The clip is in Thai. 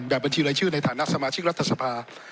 บัญชีรายชื่อในฐานะสมาชิกรัฐสภา